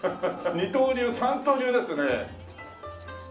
二刀流三刀流ですね。